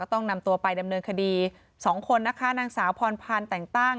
ต้องนำตัวไปดำเนินคดี๒คนนักค้านางสาวพอร์ปพรรณแต่งตั้ง